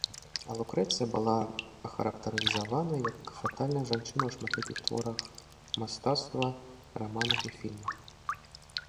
Лукрэцыя была ахарактарызаваная як фатальная жанчына ў шматлікіх творах мастацтва, раманах і фільмах.